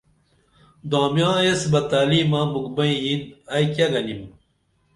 دامیاں ایس بہ تعلیمہ مُکھ بئیں یین ائی کیہ گنِم